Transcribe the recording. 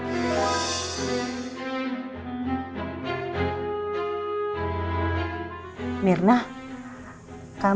aku juga gak pernah menikah